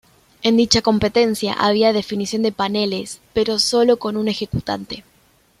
En dicha competencia había definición a penales, pero sólo con un ejecutante.